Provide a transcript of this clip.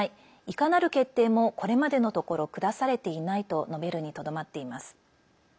いかなる決定もこれまでのところ下されていないと述べるにとどまっています。